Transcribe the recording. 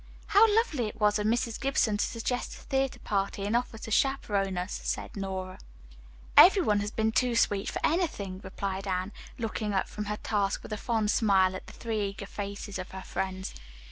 "How lovely it was of Mrs. Gibson to suggest a theatre party and offer to chaperon us," said Nora. "Everyone has been too sweet for anything," replied Anne, looking up from her task with a fond smile at the three eager faces of her friends.